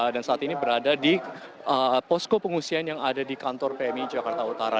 dan saat ini berada di posko pengungsian yang ada di kantor pmi jakarta utara